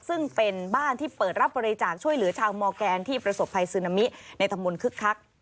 ซึ่งเป็นบ้านที่เปิดรับบริจาคช่วยเหลือชาวมอร์แกนที่ประสบภัยซึนามิในธรรมนคึกคัก